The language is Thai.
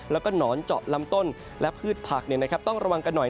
แล้วก็หนอนเจาะลำต้นและพืชผักต้องระวังกันหน่อย